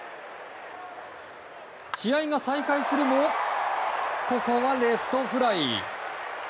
試合が再開するもここはレフトフライ。